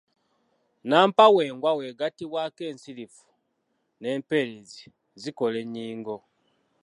Nnampawengwa bw’egattibwako ensirifu n’empeerezi zikola ennyingo.